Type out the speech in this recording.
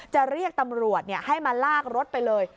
เรียกตำรวจให้มาลากรถไปเลย